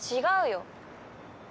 違うよ。